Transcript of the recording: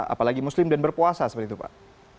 apalagi muslim dan berpuasa seperti itu pak